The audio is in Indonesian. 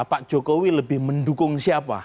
pak jokowi lebih mendukung siapa